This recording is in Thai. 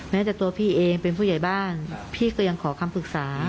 แม้แต่ตัวพี่เองเป็นผู้ใหญ่บ้านพี่ก็ยังขอคำปรึกษา